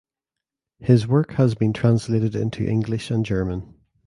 His work has been translated into English and German.